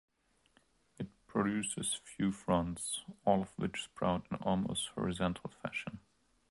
It produces few fronds, all of which sprout in almost horizontal fashion.